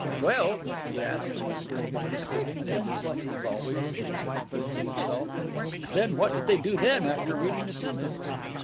"Well," he asked, conquering his misgivings and resuming, as always, his confidence in himself, "then, what did they do then, after reading the sentence?"